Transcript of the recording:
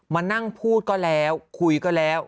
มานั่งพูดก็แล้วคุยก็แล้ว